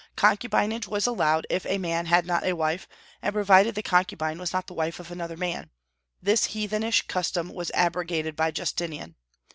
Concubinage was allowed, if a man had not a wife, and provided the concubine was not the wife of another man; this heathenish custom was abrogated by Justinian.